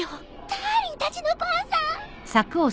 ダーリンたちの番さ。